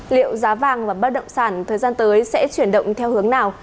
liệu giá vàng và bất động sản thời gian tới sẽ chuyển động theo hướng nào